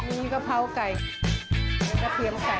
มีกะเพราไก่มีกระเทียมไก่